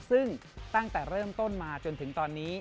ซึ่งตั้งแต่เริ่มต้นมาจนถึงตอนนี้